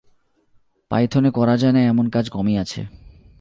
পাইথনে করা যায়না এমন কাজ কমই আছে।